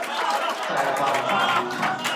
財團法人